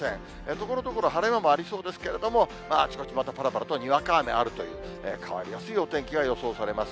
ところどころ晴れ間もありそうですけれども、あちこちまたぱらぱらとにわか雨あるという、変わりやすいお天気が予想されます。